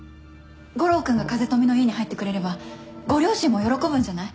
悟郎君が風富の家に入ってくれればご両親も喜ぶんじゃない？